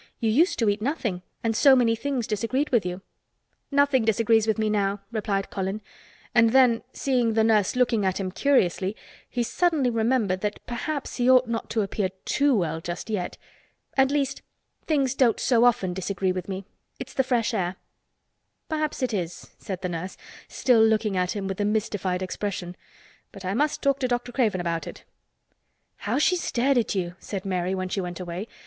"You used to eat nothing, and so many things disagreed with you." "Nothing disagrees with me now" replied Colin, and then seeing the nurse looking at him curiously he suddenly remembered that perhaps he ought not to appear too well just yet. "At least things don't so often disagree with me. It's the fresh air." "Perhaps it is," said the nurse, still looking at him with a mystified expression. "But I must talk to Dr. Craven about it." "How she stared at you!" said Mary when she went away.